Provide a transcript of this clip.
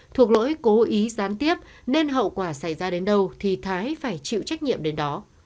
thuộc lỗi cố ý gián tiếp nên hậu quả xảy ra đến đâu thì thái phải chịu trách nhiệm đến đó